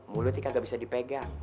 mulutnya kagak bisa dipegang